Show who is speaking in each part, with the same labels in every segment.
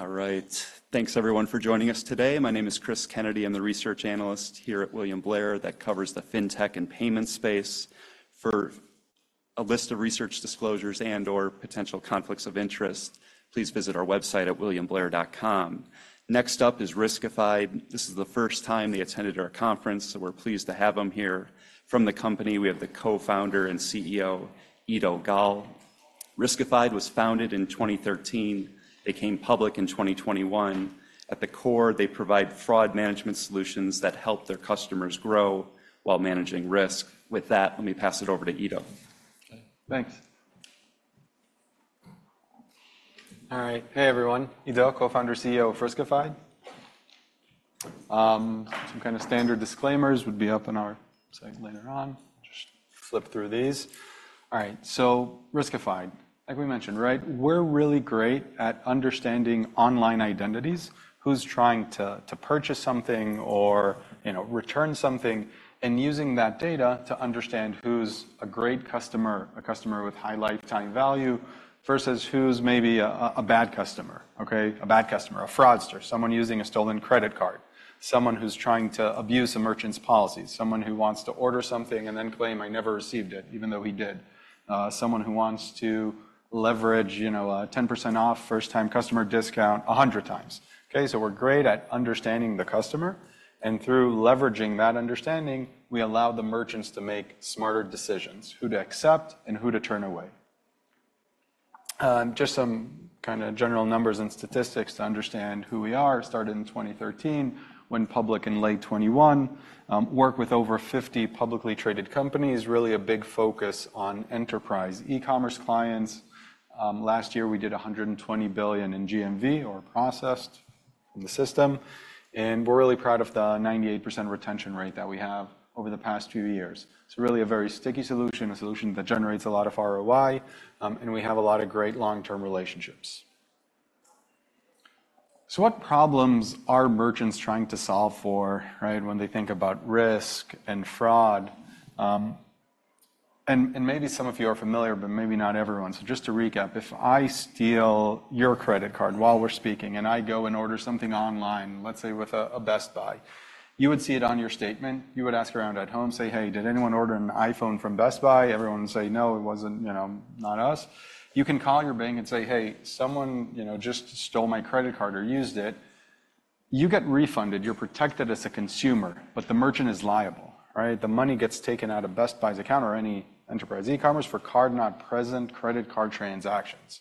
Speaker 1: All right. Thanks everyone for joining us today. My name is Cris Kennedy. I'm the Research Analyst here at William Blair, that covers the Fintech and payment space. For a list of research disclosures and/or potential conflicts of interest, please visit our website at williamblair.com. Next up is Riskified. This is the first time they attended our conference, so we're pleased to have them here. From the company, we have the Co-Founder and CEO, Eido Gal. Riskified was founded in 2013. They came public in 2021. At the core, they provide fraud management solutions that help their customers grow while managing risk. With that, let me pass it over to Eido.
Speaker 2: Thanks. All right. Hey, everyone, Eido, Co-Founder and CEO of Riskified. Some kind of standard disclaimers would be up on our site later on. Just flip through these. All right, so Riskified, like we mentioned, right? We're really great at understanding online identities, who's trying to purchase something or, you know, return something, and using that data to understand who's a great customer, a customer with high lifetime value, versus who's maybe a bad customer, okay? A bad customer, a fraudster, someone using a stolen credit card, someone who's trying to abuse a merchant's policy, someone who wants to order something and then claim, "I never received it," even though he did. Someone who wants to leverage, you know, a 10% off first-time customer discount 100 times, okay? So we're great at understanding the customer, and through leveraging that understanding, we allow the merchants to make smarter decisions, who to accept and who to turn away. Just some kind of general numbers and statistics to understand who we are. Started in 2013, went public in late 2021. Work with over 50 publicly traded companies, really a big focus on enterprise e-commerce clients. Last year, we did $120 billion in GMV or processed in the system, and we're really proud of the 98% retention rate that we have over the past few years. It's really a very sticky solution, a solution that generates a lot of ROI, and we have a lot of great long-term relationships. So what problems are merchants trying to solve for, right, when they think about risk and fraud? Maybe some of you are familiar, but maybe not everyone. So just to recap, if I steal your credit card while we're speaking, and I go and order something online, let's say with a Best Buy, you would see it on your statement. You would ask around at home, say: "Hey, did anyone order an iPhone from Best Buy?" Everyone would say: "No, it wasn't, you know, not us." You can call your bank and say: "Hey, someone, you know, just stole my credit card or used it." You get refunded. You're protected as a consumer, but the merchant is liable, right? The money gets taken out of Best Buy's account or any enterprise e-commerce for card-not-present credit card transactions,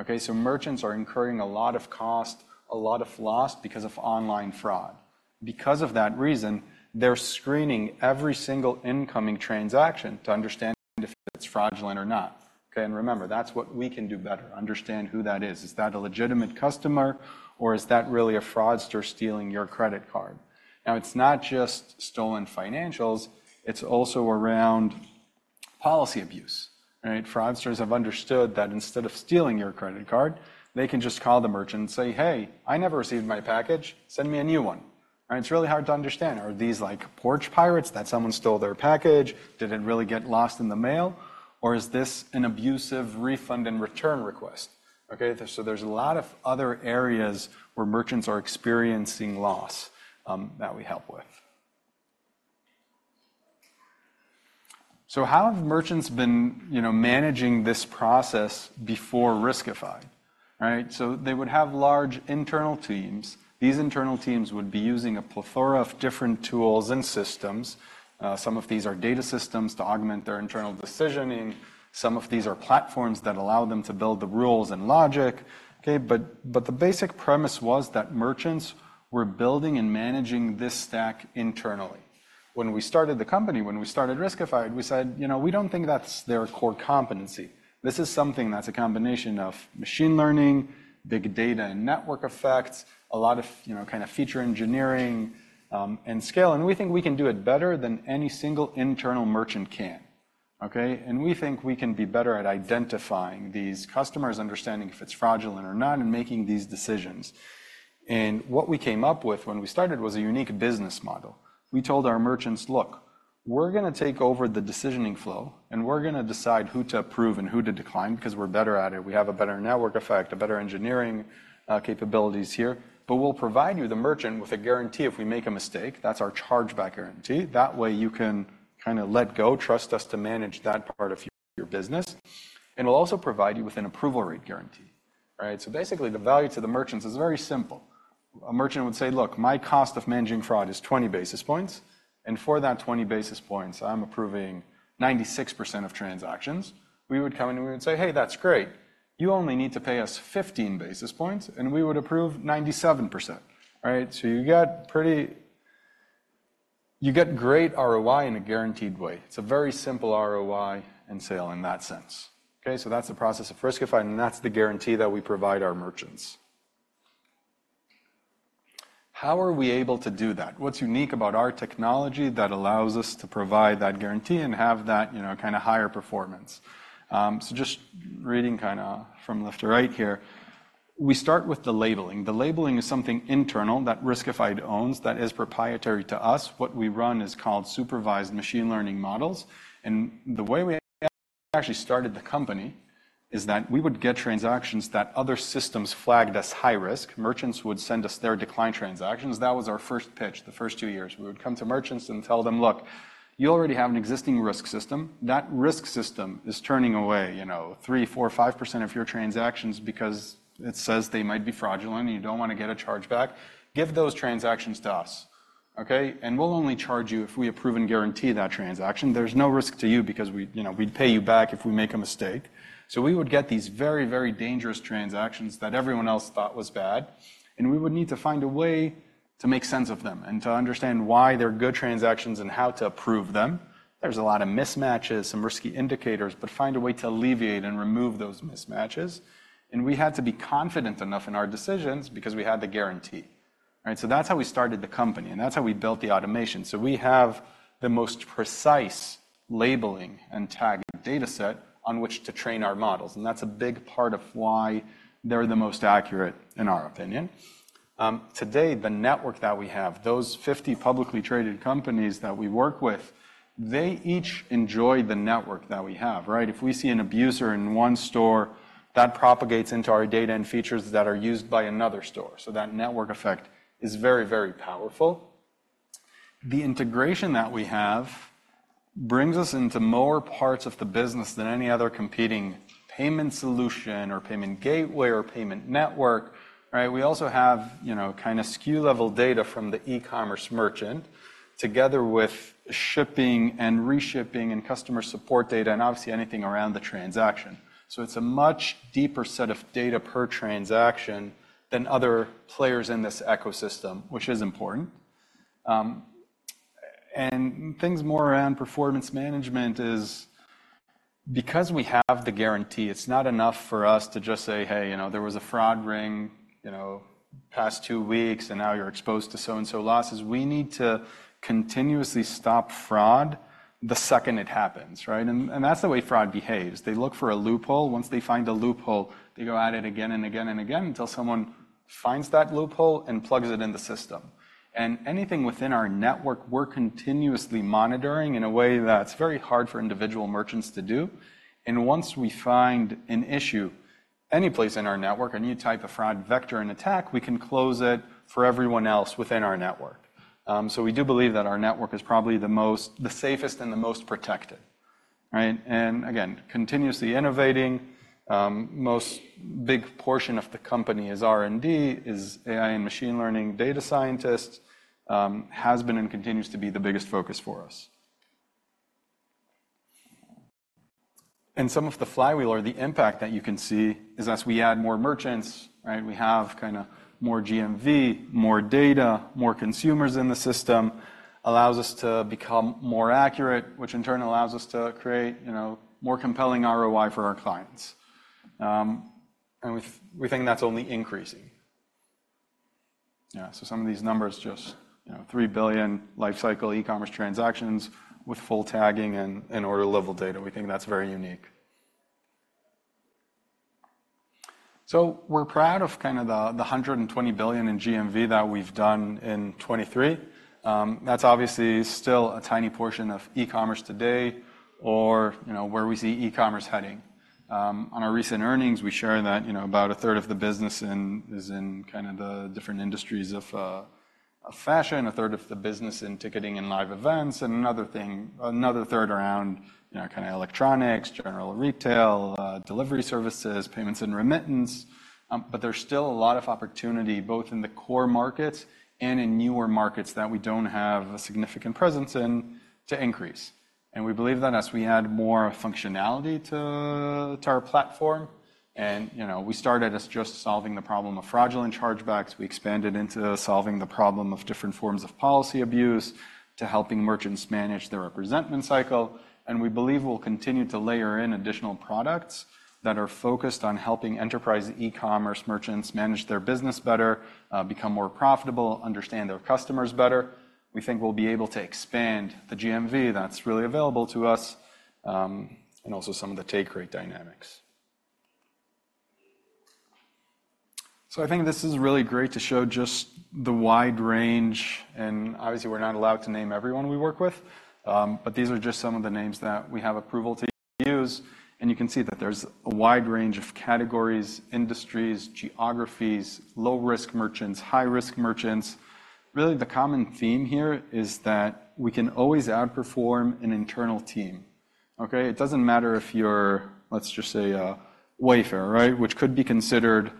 Speaker 2: okay? So merchants are incurring a lot of cost, a lot of loss because of online fraud. Because of that reason, they're screening every single incoming transaction to understand if it's fraudulent or not, okay? And remember, that's what we can do better, understand who that is. Is that a legitimate customer, or is that really a fraudster stealing your credit card? Now, it's not just stolen financials, it's also around policy abuse, right? Fraudsters have understood that instead of stealing your credit card, they can just call the merchant and say, "Hey, I never received my package. Send me a new one." And it's really hard to understand. Are these like porch pirates, that someone stole their package? Did it really get lost in the mail, or is this an abusive refund and return request, okay? So there's a lot of other areas where merchants are experiencing loss, that we help with. So how have merchants been, you know, managing this process before Riskified? Right. So they would have large internal teams. These internal teams would be using a plethora of different tools and systems. Some of these are data systems to augment their internal decisioning. Some of these are platforms that allow them to build the rules and logic, okay? But, but the basic premise was that merchants were building and managing this stack internally. When we started the company, when we started Riskified, we said: "You know, we don't think that's their core competency." This is something that's a combination of machine learning, big data, and network effects, a lot of, you know, kind of feature engineering, and scale, and we think we can do it better than any single internal merchant can, okay? And we think we can be better at identifying these customers, understanding if it's fraudulent or not, and making these decisions. What we came up with when we started was a unique business model. We told our merchants: "Look, we're gonna take over the decisioning flow, and we're gonna decide who to approve and who to decline because we're better at it. We have a better network effect, a better engineering capabilities here. But we'll provide you, the merchant, with a guarantee if we make a mistake. That's our chargeback guarantee. That way, you can kind of let go, trust us to manage that part of your, your business, and we'll also provide you with an approval rate guarantee." All right? So basically, the value to the merchants is very simple. A merchant would say: "Look, my cost of managing fraud is 20 basis points, and for that 20 basis points, I'm approving 96% of transactions." We would come in, and we would say: "Hey, that's great. You only need to pay us 15 basis points, and we would approve 97%." All right? So you get pretty... You get great ROI in a guaranteed way. It's a very simple ROI and sale in that sense, okay? So that's the process of Riskified, and that's the guarantee that we provide our merchants. How are we able to do that? What's unique about our technology that allows us to provide that guarantee and have that, you know, kind of higher performance? So just reading kind of from left to right here, we start with the labeling. The labeling is something internal that Riskified owns, that is proprietary to us. What we run is called supervised machine learning models, and the way we actually started the company, is that we would get transactions that other systems flagged as high risk. Merchants would send us their declined transactions. That was our first pitch, the first two years. We would come to merchants and tell them: "Look, you already have an existing risk system. That risk system is turning away, you know, 3%, 4%, 5% of your transactions because it says they might be fraudulent, and you don't want to get a chargeback. Give those transactions to us, okay? And we'll only charge you if we approve and guarantee that transaction. There's no risk to you because we, you know, we'd pay you back if we make a mistake." So we would get these very, very dangerous transactions that everyone else thought was bad, and we would need to find a way to make sense of them, and to understand why they're good transactions and how to approve them. There's a lot of mismatches, some risky indicators, but find a way to alleviate and remove those mismatches. And we had to be confident enough in our decisions because we had the guarantee, right? So that's how we started the company, and that's how we built the automation. So we have the most precise labeling and tagged dataset on which to train our models, and that's a big part of why they're the most accurate in our opinion. Today, the network that we have, those 50 publicly traded companies that we work with, they each enjoy the network that we have, right? If we see an abuser in one store, that propagates into our data and features that are used by another store, so that network effect is very, very powerful. The integration that we have brings us into more parts of the business than any other competing payment solution or payment gateway or payment network, right? We also have, you know, kind of SKU-level data from the e-commerce merchant, together with shipping and reshipping and customer support data, and obviously, anything around the transaction. So it's a much deeper set of data per transaction than other players in this ecosystem, which is important. And things more around performance management is because we have the guarantee, it's not enough for us to just say: "Hey, you know, there was a fraud ring, you know, past two weeks, and now you're exposed to so and so losses." We need to continuously stop fraud the second it happens, right? And that's the way fraud behaves. They look for a loophole. Once they find a loophole, they go at it again and again and again until someone finds that loophole and plugs it in the system. And anything within our network, we're continuously monitoring in a way that's very hard for individual merchants to do. And once we find an issue, any place in our network, any type of fraud vector and attack, we can close it for everyone else within our network. So we do believe that our network is probably the most--the safest and the most protected, right? And again, continuously innovating, most big portion of the company is R&D, is AI and machine learning, data scientists, has been and continues to be the biggest focus for us. Some of the flywheel or the impact that you can see is as we add more merchants, right, we have kind of more GMV, more data, more consumers in the system, allows us to become more accurate, which in turn allows us to create, you know, more compelling ROI for our clients. And we think that's only increasing. Yeah, so some of these numbers, just, you know, 3 billion life cycle e-commerce transactions with full tagging and order-level data. We think that's very unique. So we're proud of kind of the 120 billion in GMV that we've done in 2023. That's obviously still a tiny portion of e-commerce today, or, you know, where we see e-commerce heading. On our recent earnings, we shared that, you know, about a third of the business is in kind of the different industries of fashion, a third of the business in ticketing and live events, and another third around, you know, kind of electronics, general retail, delivery services, payments and remittance. But there's still a lot of opportunity, both in the core markets and in newer markets that we don't have a significant presence in, to increase. And we believe that as we add more functionality to our platform, and, you know, we started as just solving the problem of fraudulent chargebacks, we expanded into solving the problem of different forms of policy abuse, to helping merchants manage their representment cycle. We believe we'll continue to layer in additional products that are focused on helping enterprise e-commerce merchants manage their business better, become more profitable, understand their customers better. We think we'll be able to expand the GMV that's really available to us, and also some of the take rate dynamics. I think this is really great to show just the wide range, and obviously, we're not allowed to name everyone we work with, but these are just some of the names that we have approval to use. You can see that there's a wide range of categories, industries, geographies, low-risk merchants, high-risk merchants. Really, the common theme here is that we can always outperform an internal team, okay? It doesn't matter if you're, let's just say, a Wayfair, right? Which could be considered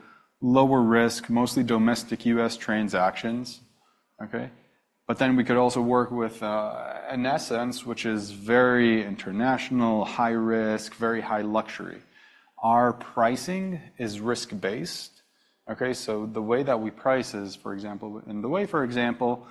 Speaker 2: lower risk, mostly domestic U.S. transactions, okay? But then we could also work with SSENSE, which is very international, high risk, very high luxury. Our pricing is risk-based, okay? So the way that we price is, for example, in the way, for example,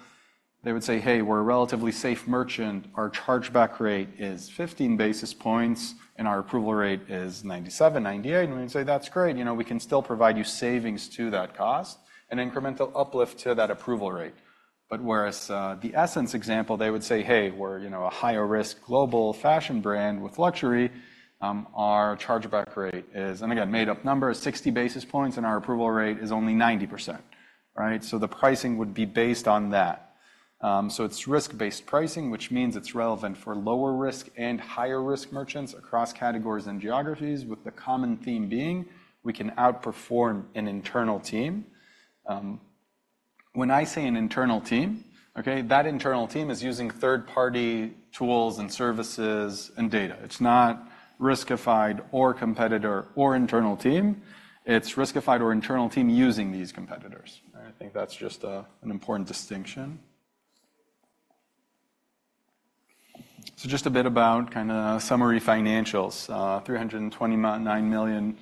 Speaker 2: they would say: "Hey, we're a relatively safe merchant. Our chargeback rate is 15 basis points, and our approval rate is 97%-98%." And we'd say: "That's great. You know, we can still provide you savings to that cost and incremental uplift to that approval rate." But whereas the SSENSE example, they would say: "Hey, we're, you know, a higher-risk global fashion brand with luxury. Our chargeback rate is..." And again, made-up number, "60 basis points, and our approval rate is only 90%," right? So the pricing would be based on that. So it's risk-based pricing, which means it's relevant for lower risk and higher risk merchants across categories and geographies, with the common theme being we can outperform an internal team. When I say an internal team, okay, that internal team is using third-party tools and services and data. It's not Riskified or competitor or internal team. It's Riskified or internal team using these competitors. I think that's just an important distinction. So just a bit about kinda summary financials. $329 million,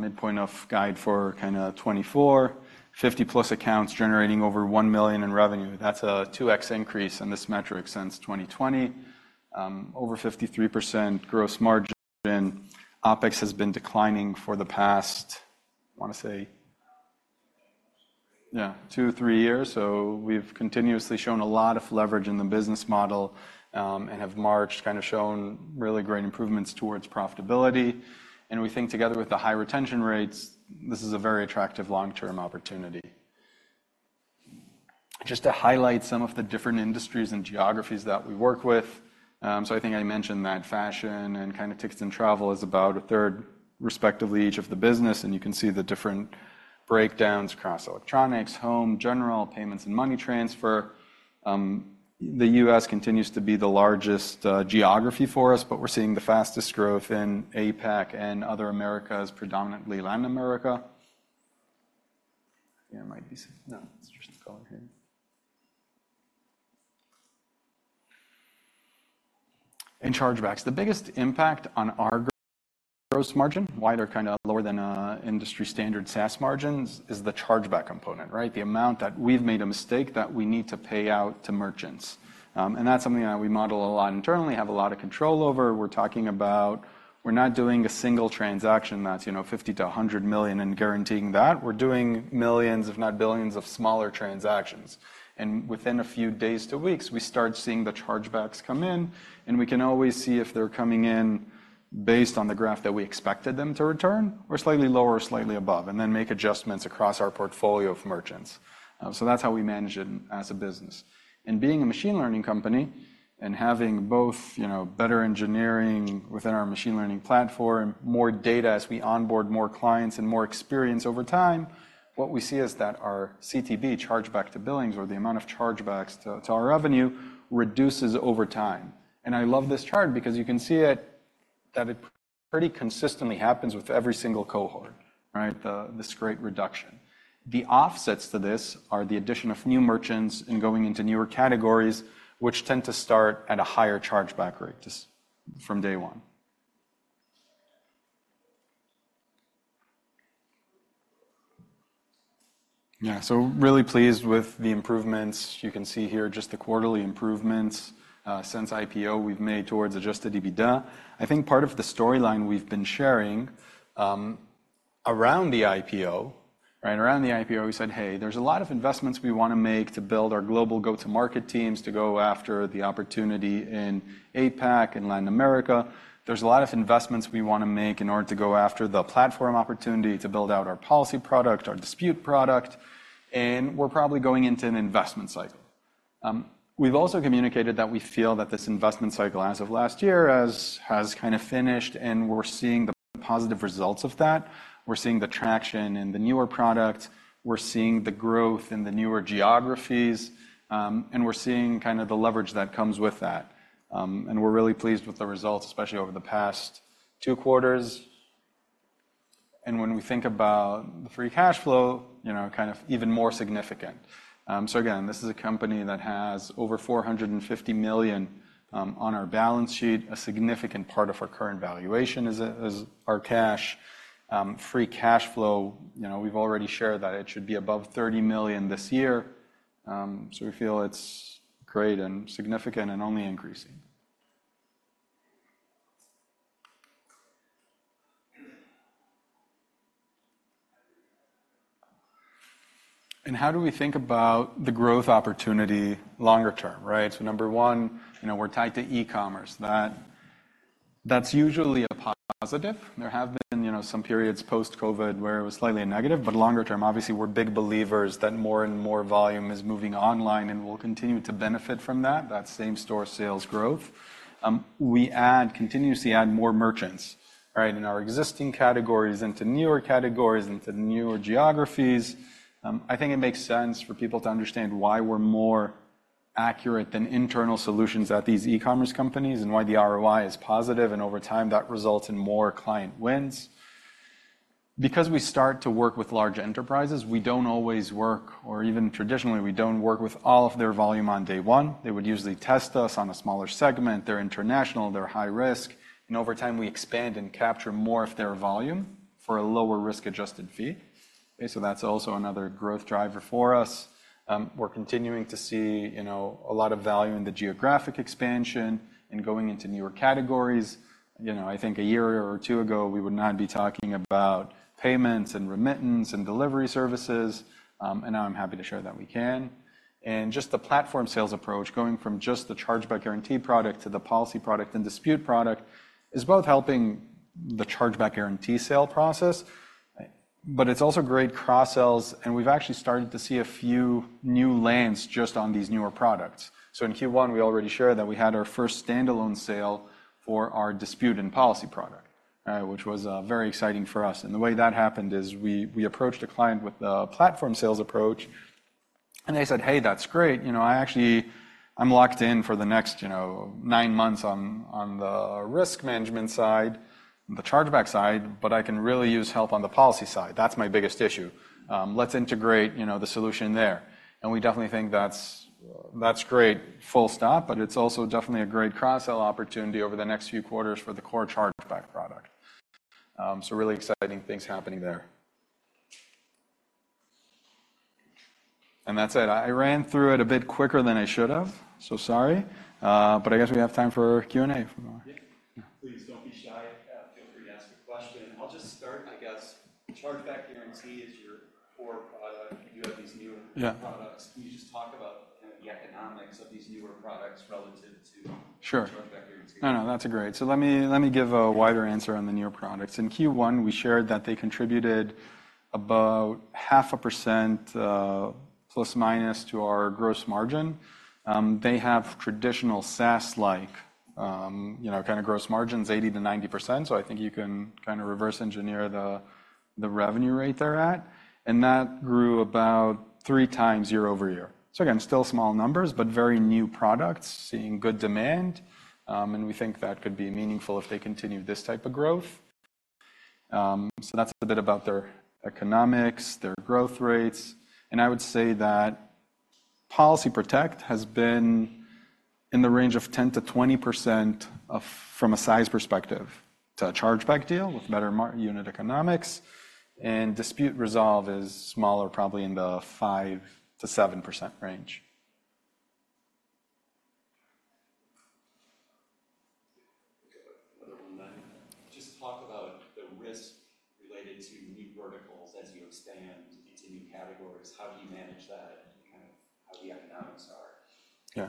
Speaker 2: midpoint of guide for kinda 2024. 50+ accounts generating over $1 million in revenue. That's a 2x increase in this metric since 2020. Over 53% gross margin. OpEx has been declining for the past, I wanna say, yeah, two, three years. So we've continuously shown a lot of leverage in the business model, and have marched, kinda shown really great improvements towards profitability. And we think together with the high retention rates, this is a very attractive long-term opportunity. Just to highlight some of the different industries and geographies that we work with. So I think I mentioned that fashion and kinda tickets and travel is about a third, respectively, each of the business, and you can see the different breakdowns across electronics, home, general, payments, and money transfer. The U.S. continues to be the largest geography for us, but we're seeing the fastest growth in APAC and other Americas, predominantly Latin America. There might be some... No, it's just the color here. And chargebacks. The biggest impact on our gross margin, why they're kinda lower than industry standard SaaS margins, is the chargeback component, right? The amount that we've made a mistake that we need to pay out to merchants. That's something that we model a lot internally, have a lot of control over. We're talking about we're not doing a single transaction that's, you know, $50-$100 million and guaranteeing that. We're doing millions, if not billions, of smaller transactions, and within a few days to weeks, we start seeing the chargebacks come in, and we can always see if they're coming in based on the graph that we expected them to return, or slightly lower, slightly above, and then make adjustments across our portfolio of merchants. That's how we manage it as a business. And being a machine learning company and having both, you know, better engineering within our machine learning platform, more data as we onboard more clients and more experience over time, what we see is that our CTB, chargeback to billings, or the amount of chargebacks to our revenue, reduces over time. And I love this chart because you can see it, that it pretty consistently happens with every single cohort, right? The great reduction. The offsets to this are the addition of new merchants and going into newer categories, which tend to start at a higher chargeback rate just from day one. Yeah, so really pleased with the improvements. You can see here just the quarterly improvements since IPO we've made towards adjusted EBITDA. I think part of the storyline we've been sharing, around the IPO, right, around the IPO, we said, "Hey, there's a lot of investments we wanna make to build our global go-to-market teams to go after the opportunity in APAC and Latin America. There's a lot of investments we wanna make in order to go after the platform opportunity to build out our policy product, our dispute product, and we're probably going into an investment cycle." We've also communicated that we feel that this investment cycle, as of last year, has kinda finished, and we're seeing the positive results of that. We're seeing the traction in the newer product, we're seeing the growth in the newer geographies, and we're seeing kinda the leverage that comes with that. And we're really pleased with the results, especially over the past two quarters. When we think about the free cash flow, you know, kind of even more significant. So again, this is a company that has over $450 million on our balance sheet. A significant part of our current valuation is our cash. Free cash flow, you know, we've already shared that it should be above $30 million this year. So we feel it's great and significant and only increasing. And how do we think about the growth opportunity longer term, right? So number one, you know, we're tied to e-commerce. That, that's usually a positive. There have been, you know, some periods post-COVID where it was slightly a negative, but longer term, obviously, we're big believers that more and more volume is moving online, and we'll continue to benefit from that, that same-store sales growth. We add, continuously add more merchants, right, in our existing categories into newer categories, into newer geographies. I think it makes sense for people to understand why we're more accurate than internal solutions at these e-commerce companies and why the ROI is positive, and over time, that results in more client wins. Because we start to work with large enterprises, we don't always work, or even traditionally, we don't work with all of their volume on day one. They would usually test us on a smaller segment. They're international, they're high risk, and over time, we expand and capture more of their volume for a lower risk-adjusted fee. Okay, so that's also another growth driver for us. We're continuing to see, you know, a lot of value in the geographic expansion and going into newer categories. You know, I think a year or two ago, we would not be talking about payments and remittance and delivery services, and now I'm happy to share that we can. And just the platform sales approach, going from just the chargeback guarantee product to the policy product and dispute product, is both helping the chargeback guarantee sale process, but it's also great cross-sells, and we've actually started to see a few new lands just on these newer products. So in Q1, we already shared that we had our first standalone sale for our dispute and policy product, which was very exciting for us. And the way that happened is we, we approached a client with a platform sales approach, and they said, "Hey, that's great. You know, I actually- I'm locked in for the next, you know, nine months on, on the risk management side, the chargeback side, but I can really use help on the policy side. That's my biggest issue. Let's integrate, you know, the solution there." And we definitely think that's, that's great, full stop, but it's also definitely a great cross-sell opportunity over the next few quarters for the core chargeback product. So really exciting things happening there. And that's it. I ran through it a bit quicker than I should have, so sorry. But I guess we have time for Q&A if-
Speaker 3: Yeah. Please don't be shy. Feel free to ask a question. I'll just start, I guess. Chargeback Guarantee is your core product, and you have these newer-
Speaker 2: Yeah
Speaker 3: products. Can you just talk about the economics of these newer products relative to?
Speaker 2: Sure
Speaker 3: - Chargeback guarantee?
Speaker 2: No, no, that's a great... So let me, let me give a wider answer on the newer products. In Q1, we shared that they contributed about 0.5% ±, to our gross margin. They have traditional SaaS like, you know, kind of gross margins, 80%-90%. So I think you can kind of reverse engineer the revenue rate they're at, and that grew about three times year-over-year. So again, still small numbers, but very new products seeing good demand. And we think that could be meaningful if they continue this type of growth. So that's a bit about their economics, their growth rates. And I would say that Policy Protect has been in the range of 10%-20% of from a size perspective. It's a chargeback deal with better margin unit economics, and Dispute Resolve is smaller, probably in the 5%-7% range.
Speaker 3: Just talk about the risk related to new verticals as you expand into new categories. How do you manage that, and kind of how the economics are?
Speaker 2: Yeah.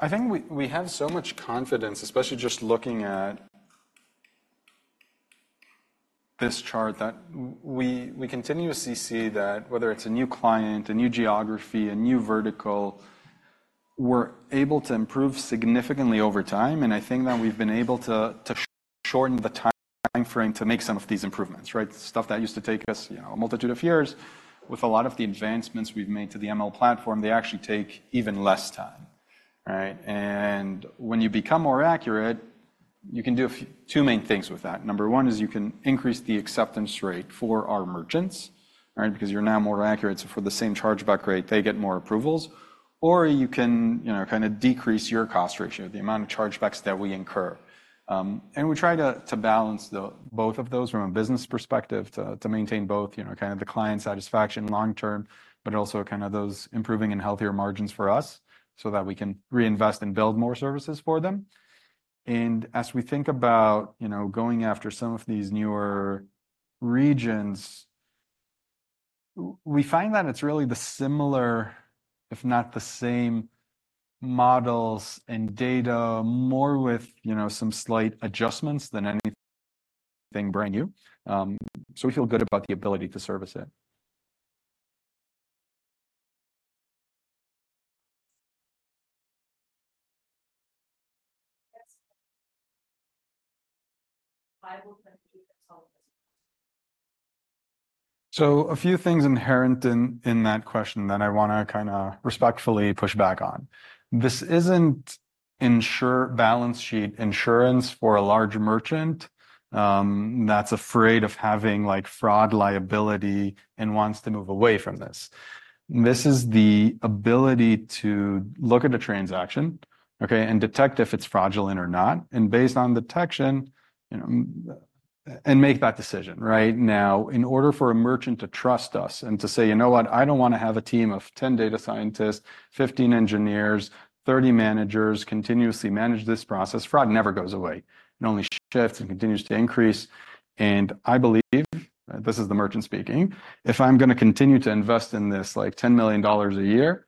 Speaker 2: I think we have so much confidence, especially just looking at this chart, that we continuously see that whether it's a new client, a new geography, a new vertical, we're able to improve significantly over time, and I think that we've been able to shorten the time frame to make some of these improvements, right? Stuff that used to take us, you know, a multitude of years, with a lot of the advancements we've made to the ML platform, they actually take even less time. Right? And when you become more accurate, you can do two main things with that. Number one is you can increase the acceptance rate for our merchants, right? Because you're now more accurate, so for the same chargeback rate, they get more approvals. Or you can, you know, kind of decrease your cost ratio, the amount of chargebacks that we incur. And we try to, to balance the, both of those from a business perspective, to, to maintain both, you know, kind of the client satisfaction long term, but also kind of those improving and healthier margins for us so that we can reinvest and build more services for them. And as we think about, you know, going after some of these newer regions, we find that it's really the similar, if not the same, models and data, more with, you know, some slight adjustments than anything brand new. So we feel good about the ability to service it.
Speaker 4: Yes.
Speaker 2: So a few things inherent in that question that I wanna kinda respectfully push back on. This isn't insurance—balance sheet insurance for a large merchant that's afraid of having, like, fraud liability and wants to move away from this. This is the ability to look at a transaction, okay, and detect if it's fraudulent or not, and based on detection, you know, and make that decision. Right now, in order for a merchant to trust us and to say, "You know what? I don't wanna have a team of 10 data scientists, 15 engineers, 30 managers, continuously manage this process." Fraud never goes away. It only shifts and continues to increase. And I believe," this is the merchant speaking, "if I'm gonna continue to invest in this, like, $10 million a year,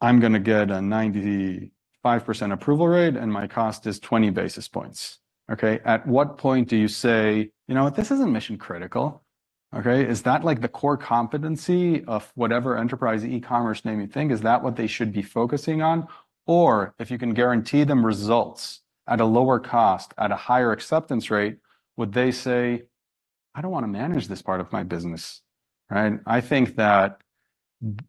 Speaker 2: I'm gonna get a 95% approval rate, and my cost is 20 basis points." Okay, at what point do you say, "You know what? This isn't mission critical." Okay? Is that, like, the core competency of whatever enterprise e-commerce, name your thing, is that what they should be focusing on? Or if you can guarantee them results at a lower cost, at a higher acceptance rate, would they say, "I don't wanna manage this part of my business?" Right? I think that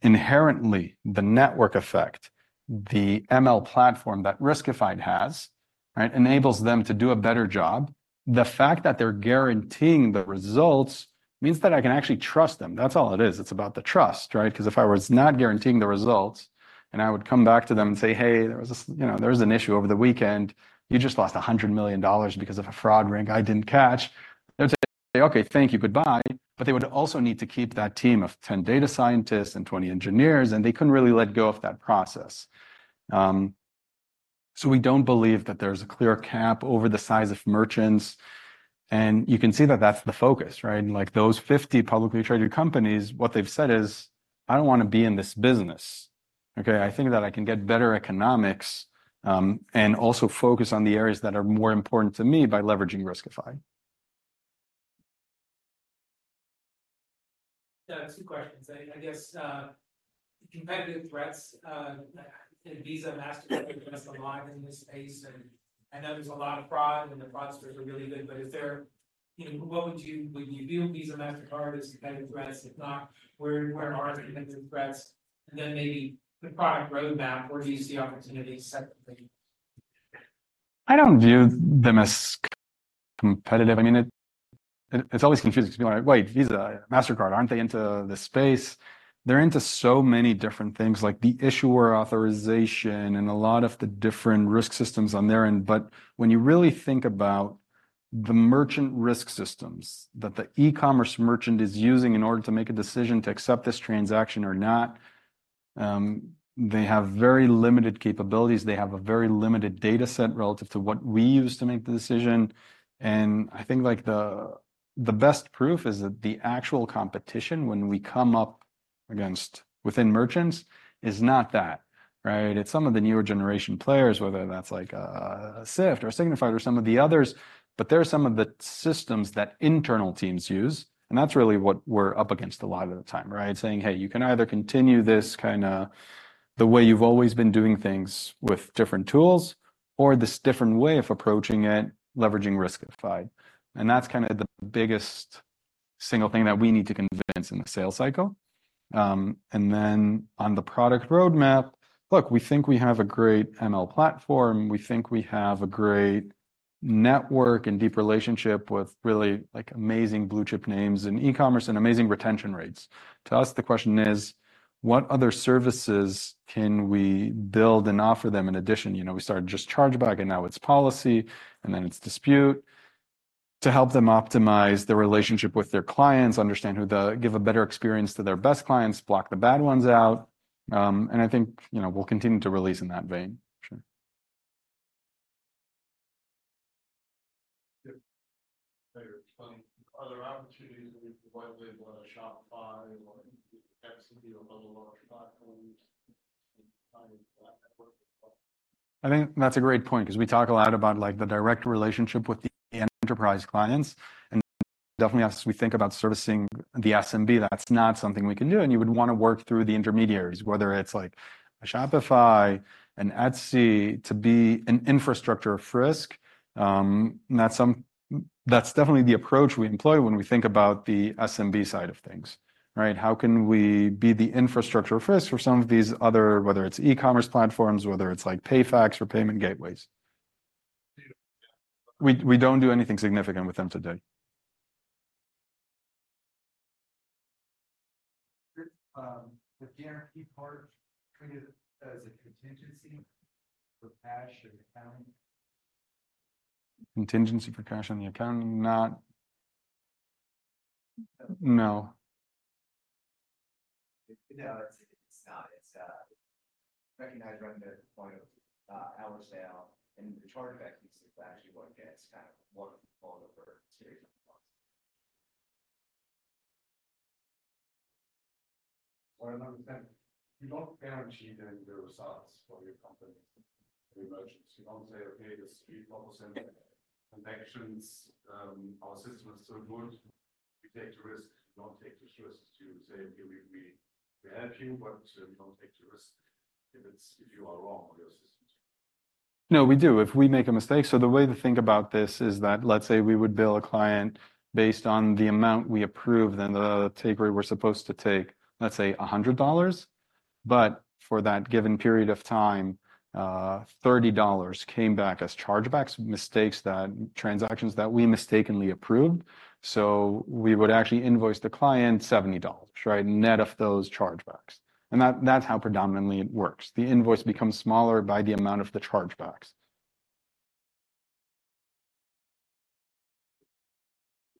Speaker 2: inherently, the network effect, the ML platform that Riskified has, right, enables them to do a better job. The fact that they're guaranteeing the results means that I can actually trust them. That's all it is. It's about the trust, right? 'Cause if I was not guaranteeing the results, and I would come back to them and say, "Hey, there was, you know, an issue over the weekend. You just lost $100 million because of a fraud ring I didn't catch," they'd say, "Okay, thank you. Goodbye." But they would also need to keep that team of 10 data scientists and 20 engineers, and they couldn't really let go of that process. So we don't believe that there's a clear cap over the size of merchants. And you can see that that's the focus, right? Like, those 50 publicly traded companies, what they've said is: "I don't want to be in this business. Okay, I think that I can get better economics, and also focus on the areas that are more important to me by leveraging Riskified.
Speaker 5: Yeah, two questions. I guess, competitive threats, and Visa, Mastercard are still alive in this space, and I know there's a lot of fraud, and the fraudsters are really good, but is there? You know, what would you? Would you view Visa, Mastercard as competitive threats? If not, where, where are the competitive threats? And then maybe the product roadmap, where do you see opportunities separately?
Speaker 2: I don't view them as competitive. I mean, it's always confusing because people are like: "Wait, Visa, Mastercard, aren't they into this space?" They're into so many different things, like the issuer authorization and a lot of the different risk systems on their end. But when you really think about the merchant risk systems that the e-commerce merchant is using in order to make a decision to accept this transaction or not, they have very limited capabilities. They have a very limited data set relative to what we use to make the decision. And I think, like, the best proof is that the actual competition, when we come up against within merchants, is not that, right? It's some of the newer generation players, whether that's like, Sift or Signifyd or some of the others, but they're some of the systems that internal teams use, and that's really what we're up against a lot of the time, right? Saying, "Hey, you can either continue this kind of the way you've always been doing things with different tools or this different way of approaching it, leveraging Riskified." And that's kind of the biggest single thing that we need to convince in the sales cycle. And then on the product roadmap, look, we think we have a great ML platform. We think we have a great network and deep relationship with really, like, amazing blue-chip names in e-commerce and amazing retention rates. To us, the question is: what other services can we build and offer them in addition? You know, we started just chargeback, and now it's policy, and then it's dispute. To help them optimize their relationship with their clients, understand who the-- give a better experience to their best clients, block the bad ones out, and I think, you know, we'll continue to release in that vein. Sure.
Speaker 5: Yeah. Are there opportunities that we provide with, Shopify or Etsy or other large platforms?
Speaker 2: I think that's a great point 'cause we talk a lot about, like, the direct relationship with the end enterprise clients, and definitely, as we think about servicing the SMB, that's not something we can do, and you would want to work through the intermediaries, whether it's like a Shopify, an Etsy, to be an infrastructure risk. That's definitely the approach we employ when we think about the SMB side of things, right? How can we be the infrastructure risk for some of these other... whether it's e-commerce platforms, whether it's like PayFac or payment gateways. We don't do anything significant with them today.
Speaker 5: The guarantee part treated as a contingency for cash or accounting.
Speaker 2: Contingency for cash on the accounting? Not... No.
Speaker 5: No, it's not. It's recognized right at the point of our sale, and the chargeback is actually what gets kind of what fall over to you. Well, I understand. You don't guarantee the results for your company, the merchants. You don't say, "Okay, there's 3-4% connections, our system is so good. We take the risk, not take the risk to say, 'We help you, but we don't take the risk if it's if you are wrong on your systems.'
Speaker 2: No, we do. If we make a mistake. So the way to think about this is that, let's say, we would bill a client based on the amount we approved and the take rate we're supposed to take, let's say $100, but for that given period of time, $30 came back as chargebacks, mistakes that, transactions that we mistakenly approved. So we would actually invoice the client $70, right? Net of those chargebacks. And that, that's how predominantly it works. The invoice becomes smaller by the amount of the chargebacks.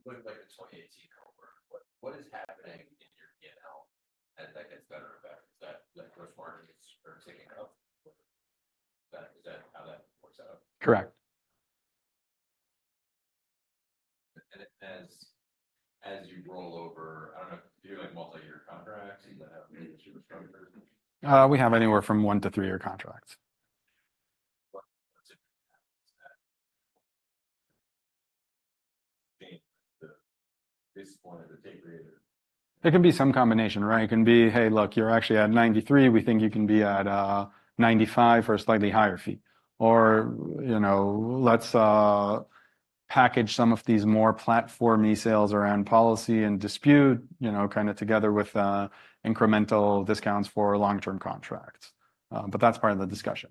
Speaker 5: Like a 2018 number. What is happening in your PNL as that gets better or better? Is that, like, those markets are ticking up? Is that how that works out?
Speaker 2: Correct.
Speaker 5: As you roll over, I don't know, do you have, like, multi-year contracts? Do you guys have...
Speaker 2: We have anywhere from 1 to 3-year contracts.
Speaker 5: What, what's happening to that basis point of the take rate?
Speaker 2: It can be some combination, right? It can be, "Hey, look, you're actually at 93. We think you can be at 95 for a slightly higher fee." Or, you know, "Let's package some of these more platform e-sales around policy and dispute, you know, kind of together with incremental discounts for long-term contracts." But that's part of the discussion.